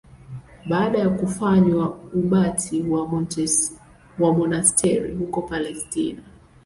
Baada ya kufanywa abati wa monasteri huko Palestina.